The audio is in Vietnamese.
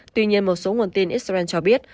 tuy nhiên một số nguồn tin israel cho biết